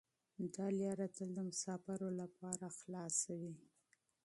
دا لاره تل د مسافرو لپاره خلاصه وي.